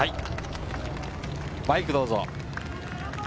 バイクどうぞ。